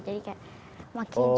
jadi kayak makin suka